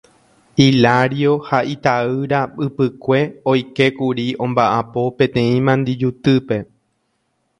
Hilario ha itaýra ypykue oikékuri omba'apo peteĩ Mandyjutýpe.